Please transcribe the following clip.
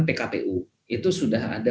pkpu itu sudah ada